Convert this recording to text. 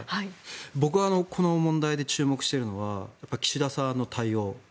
僕がこの問題で注目しているのは岸田さんの対応。